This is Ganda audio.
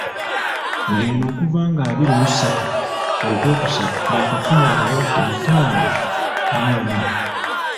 Ng'eno okuva nga abiri mu ssatu, ogwokusatu baakafuna abalwadde bitaano mu ana.